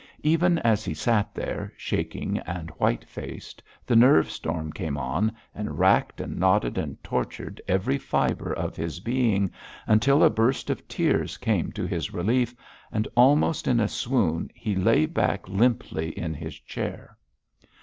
Even as he sat there, shaking and white faced, the nerve storm came on, and racked and knotted and tortured every fibre of his being, until a burst of tears came to his relief, and almost in a swoon he lay back limply in his chair.